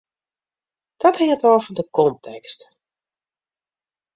Dat hinget ôf fan de kontekst.